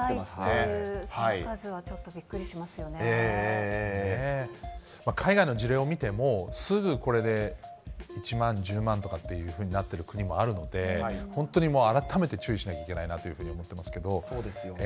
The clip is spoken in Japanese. その数はちょっとびっくりし海外の事例を見ても、すぐこれで１万、１０万とかっていうふうになってる国もあるので、本当に改めて注意しなきゃいけないなというふうに思ってますけど。